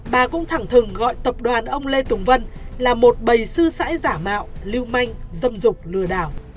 bà cũng thẳng thừng gọi tập đoàn ông lê tùng vân là một bầy sư sãi giả mạo lưu manh dâm dục lừa đảo